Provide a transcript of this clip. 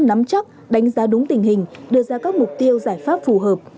nắm chắc đánh giá đúng tình hình đưa ra các mục tiêu giải pháp phù hợp